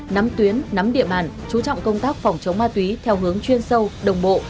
nắm tuyến nắm địa bàn chú trọng công tác phòng chống ma túy theo hướng chuyên sâu đồng bộ